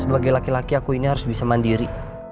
sebagai laki laki aku ini harus bisa mandiri